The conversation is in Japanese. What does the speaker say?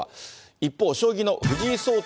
一方、将棋の藤井聡太